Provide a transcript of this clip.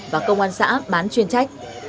và công an xã bán chuyên trách